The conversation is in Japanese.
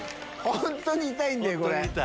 本当に痛いんだよこれ。